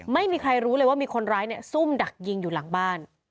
ไม่มีใครรู้เลยว่ามีคนร้ายเนี่ยซุ่มดักยิงอยู่หลังบ้าน